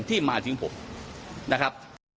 ที่มาถึงผมนะครับ